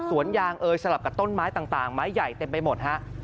สวนยางเอ่ยสลับกับต้นไม้ต่างไม้ใหญ่เต็มไปหมดฮะ